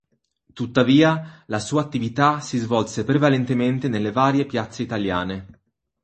Tuttavia la sua attività si svolse prevalentemente nelle varie piazze italiane.